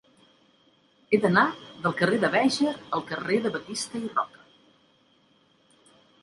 He d'anar del carrer de Béjar al carrer de Batista i Roca.